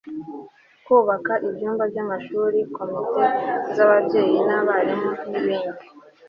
kubaka ibyumba by'amashuri, komite z'ababyeyi n'abarimu n'ibindi